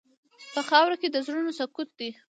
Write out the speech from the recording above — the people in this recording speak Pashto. په خاوره کې د زړونو سکوت دی.